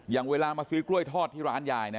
อย่างเวลามาซื้อกล้วยทอดที่ร้านยายนะ